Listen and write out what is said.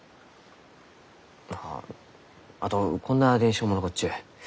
まああとこんな伝承も残っちゅう。